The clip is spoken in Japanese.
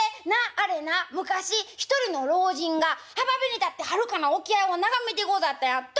あれな昔一人の老人が浜辺に立ってはるかな沖合を眺めてござったやっと。